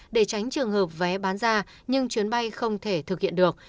để tránh trường hợp vé bán ra nhưng chuyến bay không thể thực hiện được